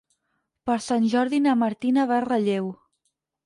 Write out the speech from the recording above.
Per Sant Jordi na Martina va a Relleu.